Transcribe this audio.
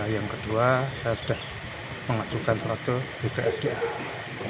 yang kedua saya sudah mengajukan serata bpsdf